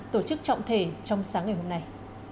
tổ chức trọng thể trong sáng ngày hôm nay